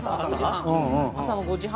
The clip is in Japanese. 朝の５時半。